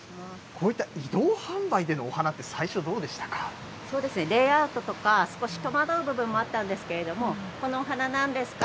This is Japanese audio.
こういった移動販売でのお花って、そうですね、レイアウトとか、少し戸惑う部分もあったんですけど、このお花なんですか？